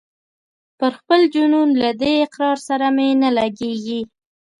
پر خپل جنون له دې اقرار سره مي نه لګیږي